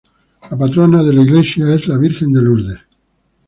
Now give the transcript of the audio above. La patrona de la iglesia es la Virgen de Lourdes.